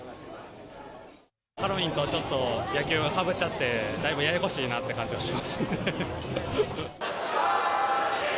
ハロウィーンと野球がちょっとかぶっちゃって、だいぶややこしいなっていう感じがしますね。